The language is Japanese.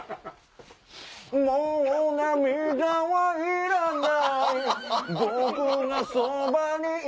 もう涙はいらない